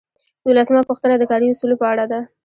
دولسمه پوښتنه د کاري اصولو په اړه ده.